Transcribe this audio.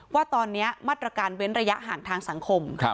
ว่าตอนนี้มาตรการเว้นระยะห่างทางสังคม